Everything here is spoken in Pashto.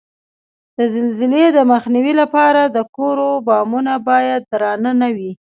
د زلزلې د مخنیوي لپاره د کورو بامونه باید درانه نه وي؟